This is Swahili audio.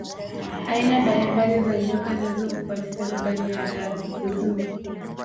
aina mbalimbali za nyoka nazo hupatikana ndani ya dar zoo